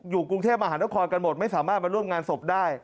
กรุงเทพมหานครกันหมดไม่สามารถมาร่วมงานศพได้